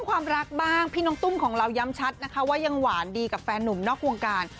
ความรักบ้างพี่น้องตุ้มของเราย้ำชัดนะคะว่ายังหวานดีกับแฟนหนุ่มนอกวงการ